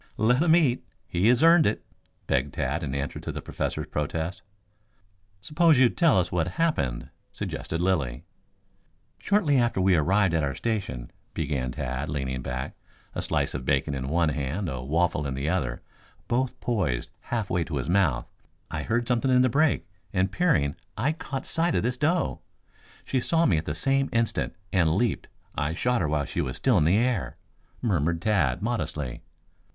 "Let him eat. He has earned it," begged Tad in answer to the Professor's protest. "Suppose you tell us what happened," suggested Lilly. "Shortly after we arrived at our station," began Tad, leaning back, a slice of bacon in one hand, a waffle in the other, both poised half way to his mouth, "I heard something in the brake, and peering, I caught sight of this doe. She saw me at the same instant, and leaped. I shot her while she was still in the air," murmured Tad modestly.